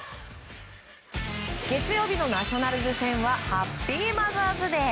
月曜日のナショナルズ戦はハッピー・マザーズ・デー。